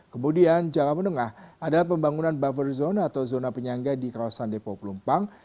kemudian jangka menengah adalah pembangunan buffer zone atau zona penyangga di kawasan depo pelumpang